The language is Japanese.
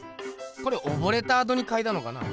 これ溺れたあとにかいたのかな？